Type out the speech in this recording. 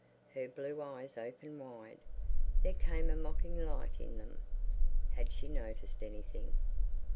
Her blue eyes opened wide; there came a mocking light in them. (Had she noticed anything?)